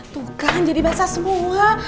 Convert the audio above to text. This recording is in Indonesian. tukang jadi basah semua